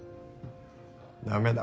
ダメだ。